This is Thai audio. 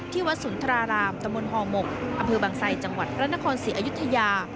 ที่วัดสุนทรารามตมฮหมกอบังไซจังหวัดรันทคล๔อยุธยา